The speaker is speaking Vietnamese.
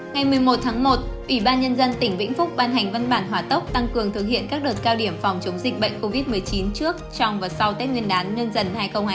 ngày một mươi một tháng một ủy ban nhân dân tỉnh vĩnh phúc ban hành văn bản hỏa tốc tăng cường thực hiện các đợt cao điểm phòng chống dịch bệnh covid một mươi chín trước trong và sau tết nguyên đán nhân dần hai nghìn hai mươi